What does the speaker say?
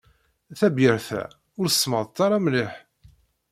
Tabyirt-a ur semmeḍ-t ara mliḥ.